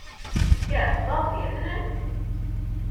Yes, lovely, isn't it?